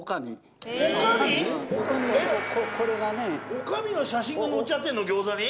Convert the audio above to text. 女将の写真が載っちゃってんの餃子に？